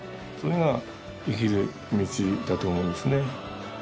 それが生きる道だと思いますね。